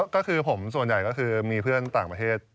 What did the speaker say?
ก็คือผมส่วนใหญ่ก็คือมีเพื่อนต่างประเทศ